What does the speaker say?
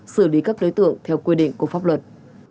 xử lý các đối tượng theo quy định của pháp luật